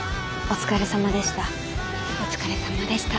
お疲れさまでした。